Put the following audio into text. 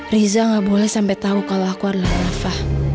riza gak boleh sampai tahu kalau aku adalah nafa